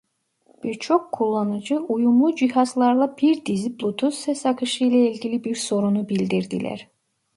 Birçok kullanıcı uyumlu cihazlarla bir dizi Bluetooth ses akışı ile ilgili bir sorunu bildirdiler.